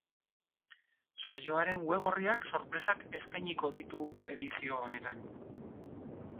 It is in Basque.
Saioaren web orriak sorpresak eskainiko ditu edizio honetan.